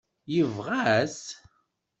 Yebɣa-t?